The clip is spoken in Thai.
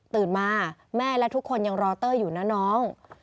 มาแม่และทุกคนยังรอเต้ยอยู่นะน้อง